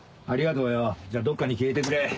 ありがとうよじゃあどっかに消えてくれ。